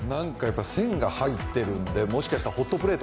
線が入っているので、もしかしたらホットプレート？